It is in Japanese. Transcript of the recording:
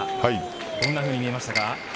どんなふうに見えましたか？